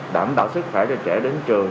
đảm đảo sức khỏe cho trẻ đến trường